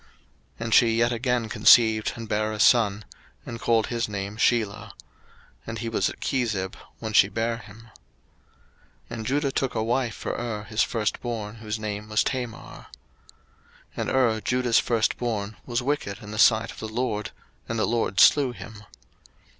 01:038:005 And she yet again conceived, and bare a son; and called his name Shelah: and he was at Chezib, when she bare him. 01:038:006 And Judah took a wife for Er his firstborn, whose name was Tamar. 01:038:007 And Er, Judah's firstborn, was wicked in the sight of the LORD; and the LORD slew him.